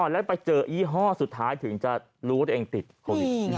แล้วไปเจอยี่ห้อสุดท้ายถึงจะรู้ว่าตัวเองติดโควิด